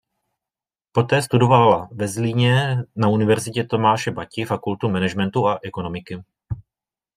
Poté studovala ve Zlíně na Univerzitě Tomáše Bati Fakultu managementu a ekonomiky.